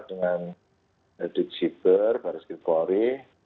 dengan diksiper baris gilkori